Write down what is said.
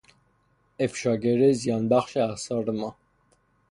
افشاگری زیانبخش اسرار ما